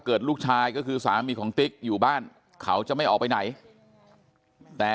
ลูกชายก็คือสามีของติ๊กอยู่บ้านเขาจะไม่ออกไปไหนแต่